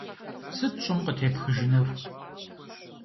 Сыт щӏым къытепхыжынур?